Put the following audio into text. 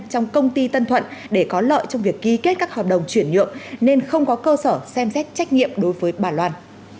trong công ty tân thuận để có lợi trong việc ký kết các hợp đồng chuyển nhượng nên không có cơ sở xem xét trách nhiệm đối với bà loan